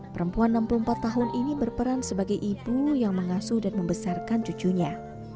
perempuan enam puluh empat tahun ini berperan sebagai ibu yang mengasuh dan membesarkan cucunya